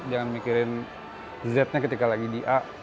jangan mikirin z nya ketika lagi di a